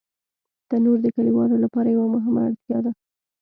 تنور د کلیوالو لپاره یوه مهمه اړتیا ده